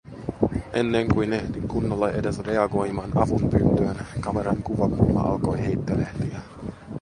Ennen kuin ehdin kunnolla edes reagoimaan avunpyyntöön, kameran kuvakulma alkoi heittelehtiä.